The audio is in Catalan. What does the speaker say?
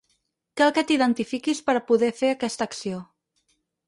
Cal que t'identifiquis per a poder fer aquesta acció.